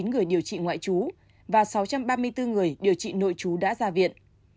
ba trăm sáu mươi chín người điều trị ngoại trú và sáu trăm ba mươi bốn người điều trị nội trú đã ra viện